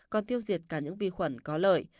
còn tiêu diệt cả những vi khuẩn có lợi